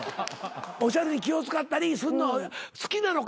おしゃれに気を使ったりすんの好きなのか。